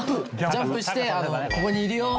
ジャンプしてここにいるよ！っていう。